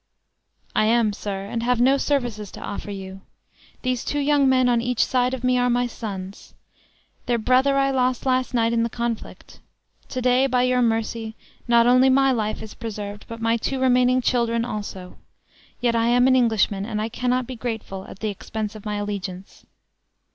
"I am, sir, and have no services to offer you. These two young men on each side of me are my sons. There brother I lost last night in the conflict. To day, by your mercy, not only my life is preserved, but my two remaining children also. Yet I am an Englishman, and I cannot be grateful at the expense of my allegiance."